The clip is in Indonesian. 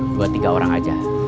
buat tiga orang aja